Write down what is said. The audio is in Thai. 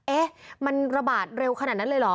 เอ๊ะมันระบาดเร็วขนาดนั้นเลยเหรอ